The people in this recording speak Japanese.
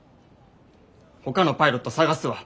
ほかのパイロット探すわ。